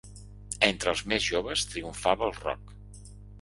Entre els més joves triomfava el rock.